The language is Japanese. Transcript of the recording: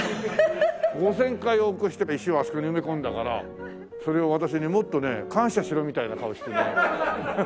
５０００回往復して石をあそこに埋め込んだからそれを私にもっとね感謝しろみたいな顔してね。